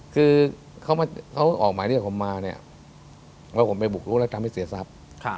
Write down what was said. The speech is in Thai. คือเขาออกหมายเรียกผมมาเนี่ยแล้วผมไปบุกรู้แล้วทำให้เสียทรัพย์